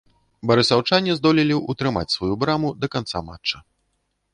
Барысаўчане здолелі ўтрымаць сваю браму да канца матча.